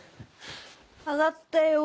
上がったよ。